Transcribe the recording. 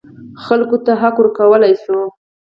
خلکو ته حق ورکړل شو.